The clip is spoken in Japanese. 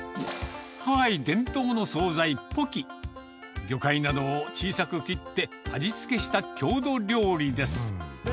ハワイ伝統の総菜、ポキ。魚介などを小さく切って味付けした郷土料理です。